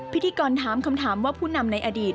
พิธีกรถามคำถามว่าผู้นำในอดีต